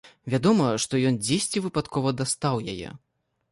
Вядома, што ён дзесьці выпадкова дастаў яе.